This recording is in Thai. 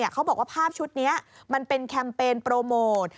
เขาบอกว่าภาพชุดนี้มันเป็นแคมเปญโปรโมท